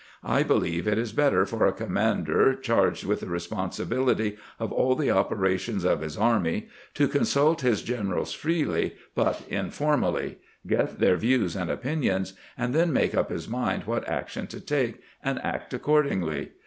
I believe it is better for a com mander charged with the responsibility of all the opera tions of his army to consult his generals freely but informally, get their views and opinions, and then make up his mind what action to take, and act accordingly.